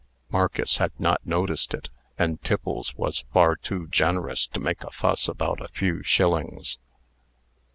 Marcus had not noticed it, and Tiffles was far too generous to make a fuss about a few shillings.